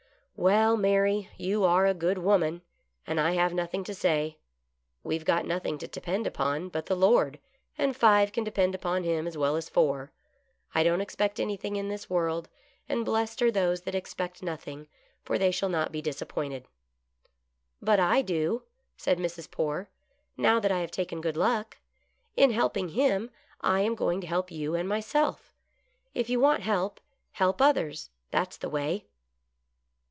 " Well, Mary, you are a good woman, and I have nothing to say. We've got nothing to depend upon but the Lord,^ and five can depend upon him as well as four. I don't expect anything in this world, and blessed are those that expect nothing, for they shall not be dis appointed." " But I do," said Mrs. Poore, " now that I have taken Good Luck. In helping him, I am going to help you and myself. If you want help, help others, that's the way."